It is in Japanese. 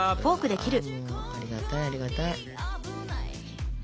ありがたいありがたい。